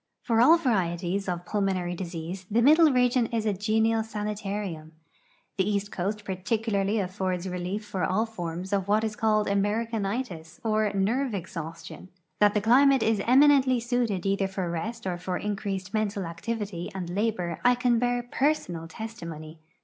For all varieties of pulmonary disease the middle region is a genial sanitarium. The east coast particularly affords relief for all forms of what is called " americanitis " or nerve exhaustion. That the climate is eminently suited either for rest or for in creased mental activity and labor I can bear personal testimony.